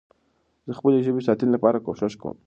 زه د خپلي ژبې د ساتنې لپاره کوښښ کوم.